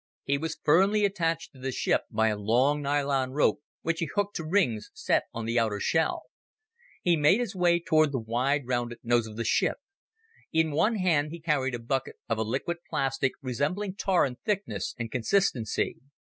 He was firmly attached to the ship by a long nylon rope which he hooked to rings set on the outer shell. He made his way toward the wide rounded nose of the ship. In one hand he carried a bucket of a liquid plastic resembling tar in thickness and consistency.